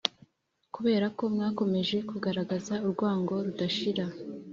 Kubera ko mwakomeje kugaragaza urwango rudashira